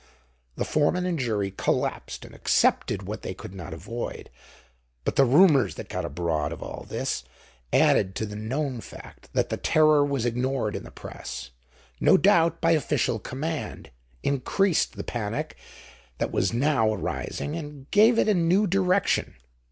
The foreman and jury collapsed and accepted what they could not avoid. But the rumors that got abroad of all this, added to the known fact that the terror was ignored in the Press, no doubt by official command, increased the panic that was now arising, and gave it a new direction.